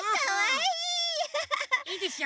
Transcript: いいでしょ？